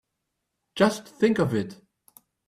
Just think of it!